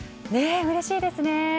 うれしいですね。